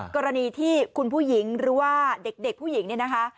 กรณีที่คุณผู้หญิงหรือว่าเด็กผู้หญิงเนี่ยนะคะ